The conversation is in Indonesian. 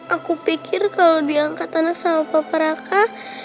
aku pikir kalau diangkat anak sama papa raka